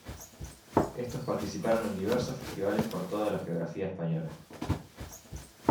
Estos participaron en diversos festivales por toda la geografía española.